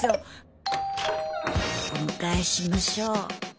お迎えしましょう。